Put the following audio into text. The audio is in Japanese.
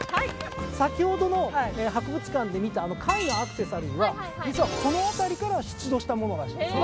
先ほどの博物館で見た貝のアクセサリーは実はこの辺りから出土したもの。